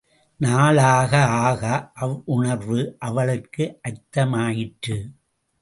நாளாக ஆக அவ்வுணர்வு அவளுக்கு அர்த்தமாயிற்று!